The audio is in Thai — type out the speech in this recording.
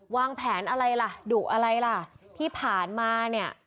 ว้างแผนอะไรแล้วดุอะไรล่ะที่ผ่านมา